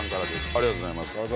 ありがとうございます。